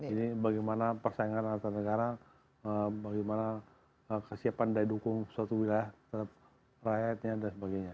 ini bagaimana persaingan antar negara bagaimana kesiapan daya dukung suatu wilayah terhadap rakyatnya dan sebagainya